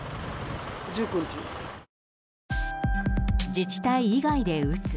自治体以外で打つ。